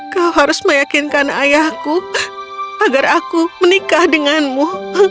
kau harus meyakinkan ayahku agar aku menikah denganmu